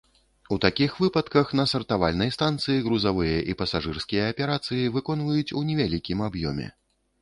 У такіх выпадках на сартавальнай станцыі грузавыя і пасажырскія аперацыі выконваюць у невялікім аб'ёме.